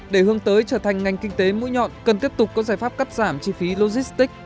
để hướng tới trở thành ngành kinh tế mũi nhọn cần tiếp tục có giải pháp cắt giảm chi phí logistics